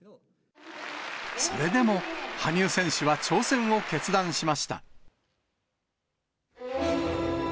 それでも、羽生選手は挑戦を決断しました。